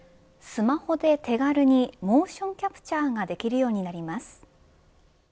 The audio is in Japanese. スマホで手軽にモーションキャプチャーができるようになります。